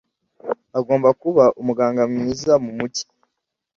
agomba kuba umuganga mwiza mumujyi.